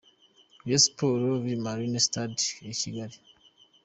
Rayon Sports vs Marines –Sitade ya Kigali.